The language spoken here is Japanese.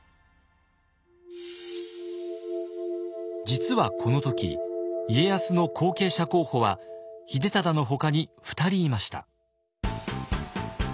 実はこの時家康の後継者候補は秀忠のほかに２人いました。